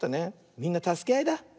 みんなたすけあいだ。